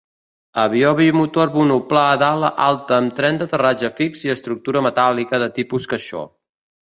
Avió bimotor monoplà d'ala alta amb tren d'aterratge fix i estructura metàl·lica de tipus caixó.